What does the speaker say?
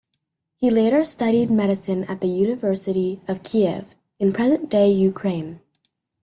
He later studied medicine at the University of Kiev, in present-day Ukraine.